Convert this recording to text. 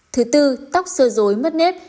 thứ tư tóc sơ dối mất nếp